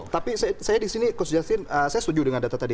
tapi saya disini saya setuju dengan data tadi